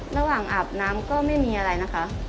อาบน้ำก็ไม่มีอะไรนะคะ